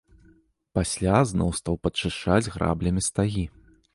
Пасля зноў стаў падчышчаць граблямі стагі.